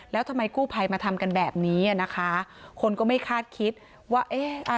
แล้วทำไมกู้ภัยมาทำกันแบบนี้อ่ะนะคะคนก็ไม่คาดคิดว่าเอ๊ะอ่า